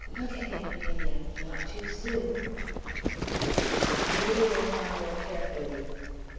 "Look at him, Amelia! Not too soon." Amelia went on more carefully.